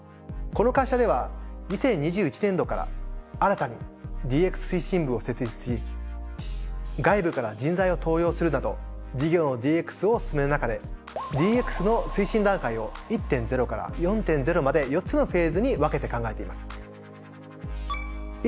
この会社では２０２１年度から新たにＤＸ推進部を設立し外部から人材を登用するなど事業のＤＸを進める中でＤＸの推進段階を１．０から４．０まで４つのフェーズに分けて考えています。